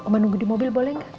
oma nunggu di mobil boleh nggak